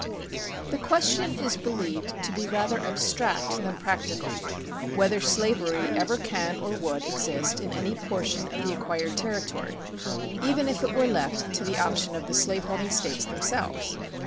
The question is believed to be rather abstract than practical whether slavery ever can or would exist in any portion of the acquired territory even if it were left to the option of the slaveholding States themselves.